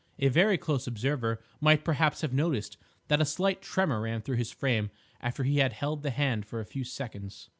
A very close observer might perhaps have noticed that a slight tremor ran through his frame after he had held the hand for a few seconds.